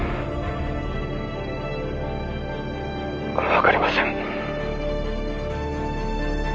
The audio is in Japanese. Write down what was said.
分かりません。